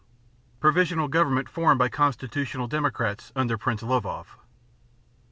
Provisional Government formed by Constitutional Democrats under Prince Lvov. _Mar.